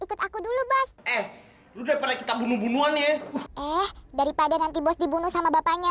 ikut aku dulu bos eh udah kita bunuh bunuhannya eh daripada nanti bos dibunuh sama bapaknya